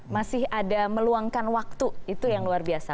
masih ada meluangkan waktu itu yang luar biasa